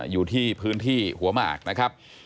อยู่ที่พื้นที่หัวหมากนะครับ